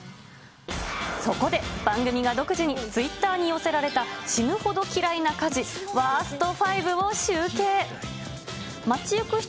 そこで番組が独自にツイッターに寄せられた死ぬほど嫌いな家事ワースト５を集計。